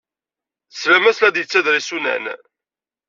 Teslam-as la d-yettader isunan.